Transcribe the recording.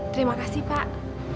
terima kasih pak